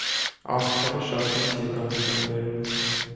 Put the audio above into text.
«Աստղերը» շատ մեծ եկամուտ են բերում։